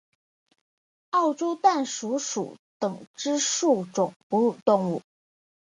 澳洲弹鼠属等之数种哺乳动物。